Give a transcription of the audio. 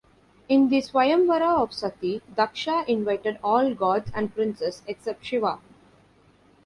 In the Swayamvara of Sati, Daksha invited all gods and princes except Shiva.